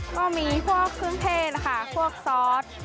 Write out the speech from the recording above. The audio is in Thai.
ก็มีพวกเครื่องเทศค่ะพวกซอส